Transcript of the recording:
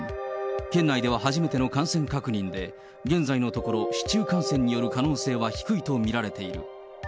県内では初めての感染確認で、現在のところ、市中感染による可能性は低いと見られている。